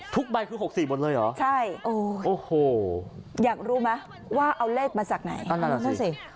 ทุกใบคือหกสี่บนเลยเหรอใช่โอ้โหอยากรู้ไหมว่าเอาเลขมาจากไหนอ้าวนั่นอ่ะสิ